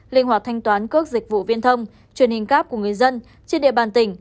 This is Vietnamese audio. linh hoạt thanh toán cước dịch vụ viên thông truyền hình cap của người dân trên địa bàn tỉnh